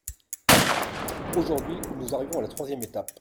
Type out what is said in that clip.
Aujourd’hui, nous arrivons à la troisième étape.